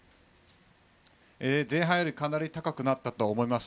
前半よりかなり高くなったとは思います。